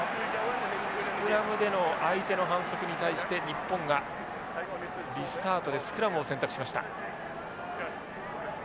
スクラムでの相手の反則に対して日本がリスタートでスクラムを選択しました。